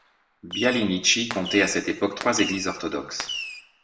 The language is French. Bialynitchy comptait à cette époque trois églises orthodoxes.